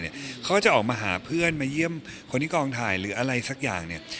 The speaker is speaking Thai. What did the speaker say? เขาก็จะออกมาหาเพื่อนมาเยี่ยมคนที่กองถ่ายหรืออะไรสักอย่างเนี่ย